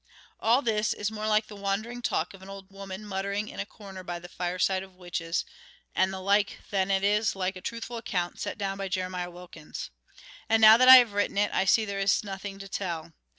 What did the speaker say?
"All this is more like the wandering talk of an old woman muttering in a corner by the fireside of witches and the like than it is like a truthful account set down by Jeremiah Wilkins. And now that I have written it I see there is nothing to tell.